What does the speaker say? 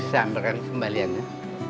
saya ambilkan kembaliannya